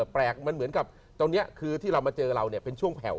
เปลี่ยนมันเหมือนกับตอนที่เรามันม๑๙๕๐มันเป็นช่วงแผ่ว